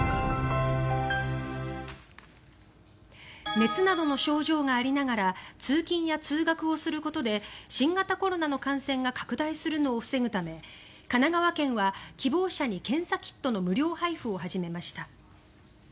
熱などの症状がありながら通勤や通学をすることで新型コロナの感染を拡大するのを防ぐため神奈川県は希望者に検査キットの無料配布を始めました。